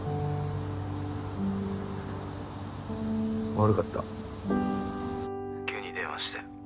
悪かった急に電話して。